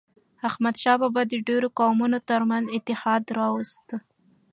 احمدشاه بابا د ډیرو قومونو ترمنځ اتحاد راووست.